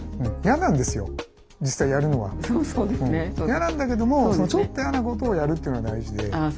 嫌なんだけどもちょっと嫌なことをやるというのが大事で。